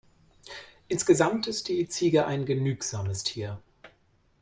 Insgesamt ist die Ziege ein genügsames Tier.